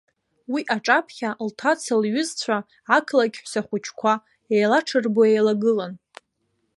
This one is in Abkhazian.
Уи аҿаԥхьа, лҭаца лҩызцәа, ақалақь ҳәсахәыҷқәа, еилаҽырбо еилагылан.